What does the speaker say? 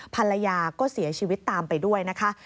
ภรรยาก็เสียชีวิตตามไปด้วยนะคะ